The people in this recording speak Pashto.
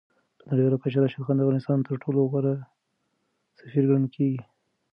په نړیواله کچه راشد خان د افغانستان تر ټولو غوره سفیر ګڼل کېږي.